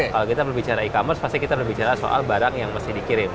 kalau kita berbicara e commerce pasti kita berbicara soal barang yang masih dikirim